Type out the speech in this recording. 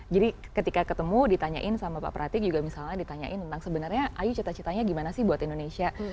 jadi ketika ketemu ditanyain sama pak pratik juga misalnya ditanyain tentang sebenarnya ayu cita citanya gimana sih buat indonesia